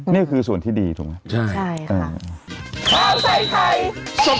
นี่คือส่วนที่ดีถูกไหม